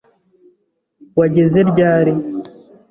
Wageze ryari?